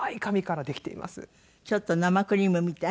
ちょっと生クリームみたい。